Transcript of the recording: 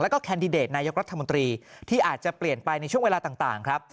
แล้วก็แคนดิเดตนายกรัฐมนตรีที่อาจจะเปลี่ยนไปในช่วงเวลาต่างครับ